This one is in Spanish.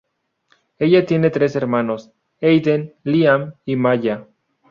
Ella tiene tres hermanos, Aiden, Liam y Maya.